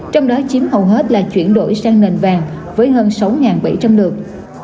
trong đó chiếm hầu hết là chuyển đổi sang nền vàng với hơn sáu bảy trăm linh lượt